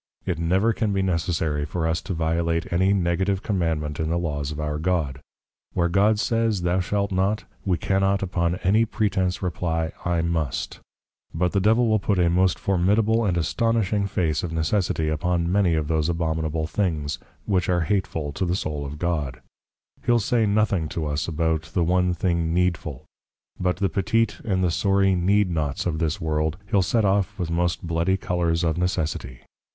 It never can be necessary for us to violate any Negative Commandment in the Law of our God; where God says, thou shalt not, we cannot upon any pretence reply, I must. But the Devil will put a most formidable and astonishing face of necessity upon many of those Abominable things, which are hateful to the soul of God. He'll say nothing to us about, the one thing needful; but the petite and the sorry Need nots of this world, he'll set off with most bloody Colours of Necessity.